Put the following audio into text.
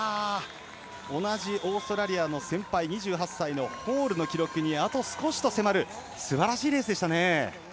同じオーストラリアの先輩２８歳のホールの記録に、あと少しと迫るすばらしいレースでしたね。